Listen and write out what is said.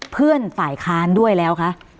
เพื่อนฝ่ายค้านด้วยแล้วคะ